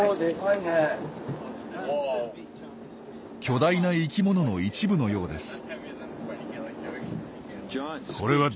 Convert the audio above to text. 巨大な生きものの一部のようです。